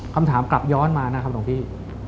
คำถามกลับย้อนมานะครับหลวงพี่